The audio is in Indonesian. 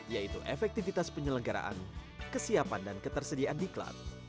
yaitu efektivitas penyelenggaraan kesiapan dan ketersediaan di klub